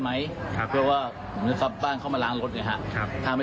ห้างหลังเป้ิ้ลไหม